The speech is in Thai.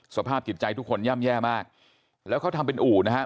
สภาพจิตใจทุกคนย่ำแย่มากแล้วเขาทำเป็นอู่นะฮะ